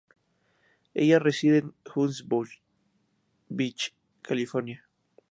Ella reside en Huntington Beach, California.